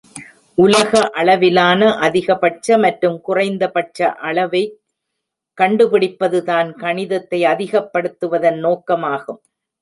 உலக அளவிலான அதிகபட்ச மற்றும் குறைந்தபட்ச அளவைைக் கண்டுபிடிப்பதுதான் கணிதத்தை அதிகப்படுத்துவதன் நோக்கமாகும்.